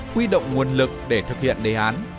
huy động nguồn lực để thực hiện đề án